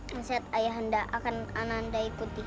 masyarakat ayahanda akan ananda ikuti